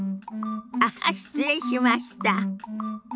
あっ失礼しました。